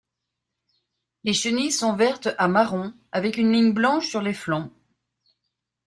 Les chenilles sont vertes à marron avec une ligne blanche sur les flancs.